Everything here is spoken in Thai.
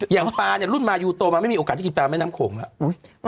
อย่างปลาเนี่ยรุ่นมายูโตมันไม่มีโอกาสที่กินปลาแม่น้ำโขงแล้ว